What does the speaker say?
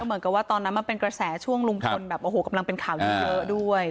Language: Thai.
เหมือนกับว่าตอนนั้นมันเป็นกระแสช่วงลุงพลแบบโอ้โหกำลังเป็นข่าวเยอะด้วย